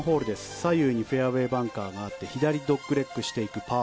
左右にフェアウェーバンカーがあって左ドッグレッグしていくパー